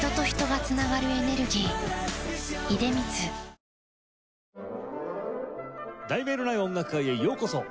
さらに『題名のない音楽会』へようこそ。